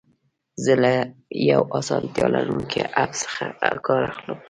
زه له یو اسانتیا لرونکي اپ څخه کار اخلم.